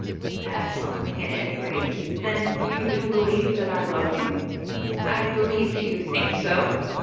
"That's something, at any rate. Then you do believe that I love you?" "I believe that you think so."